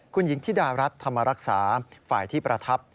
คุณหญิงธิดารัฐธรรมรักษาฝ่ายที่ประทับ